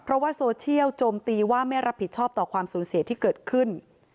เพราะว่าโซเชียลโจมตีว่าไม่รับผิดชอบต่อความสูญเสียที่เกิดขึ้น